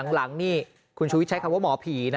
หลังนี่คุณชูวิทย์ใช้คำว่าหมอผีนะ